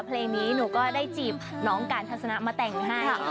เพลงนี้หนูก็ได้จีบน้องการทัศนะมาแต่งให้